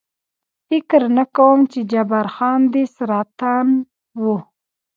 فکر نه کوم، چې جبار خان دې سرطان و.